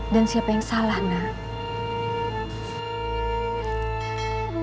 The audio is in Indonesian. dan siapa yang salah nak